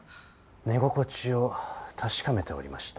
寝心地を確かめておりました。